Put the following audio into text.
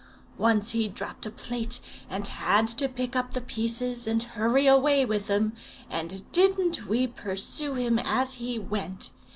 Once he dropped a plate, and had to pick up the pieces, and hurry away with them; and didn't we pursue him as he went!